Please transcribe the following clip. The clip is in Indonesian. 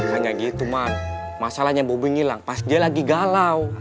masalahnya gitu man masalahnya bobby ngilang pas dia lagi galau